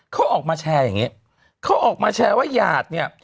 เขาออกมาแชร์อย่างนี้เขาออกมาแชร์ว่าหยาดเนี่ย